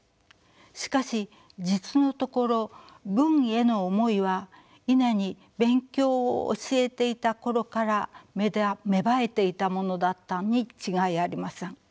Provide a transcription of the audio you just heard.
しかし実のところ「文」への思いはイネに勉強を教えていた頃から芽生えていたものだったに違いありません。